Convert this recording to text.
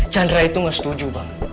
chandra itu nggak setuju bang